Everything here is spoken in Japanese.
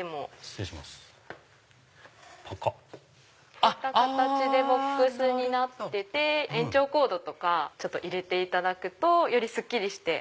こういった形でボックスになってて延長コードとか入れていただくとよりすっきりして。